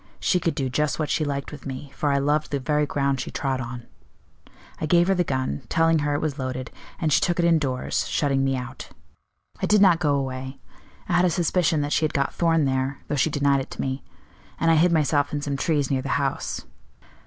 She could do just what she liked with me, for I loved the very ground she trod on. I gave her the gun, telling her it was loaded, and she took it indoors, shutting me out. I did not go away; I had a suspicion that she had got Thorn there, though she denied it to me; and I hid myself in some trees near the house.